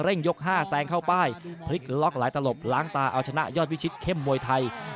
ยก๕แซงเข้าป้ายพลิกล็อกหลายตลบล้างตาเอาชนะยอดวิชิตเข้มมวยไทย